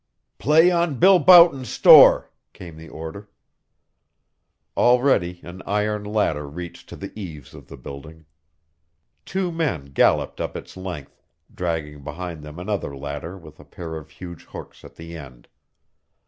"Play on Bill Boughton's store!" came the order. Already an iron ladder reached to the eaves of the building. Two men galloped up its length, dragging behind them another ladder with a pair of huge hooks at the end.